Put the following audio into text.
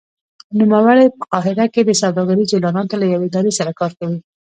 نوموړی په قاهره کې د سوداګریزو اعلاناتو له یوې ادارې سره کار کوي.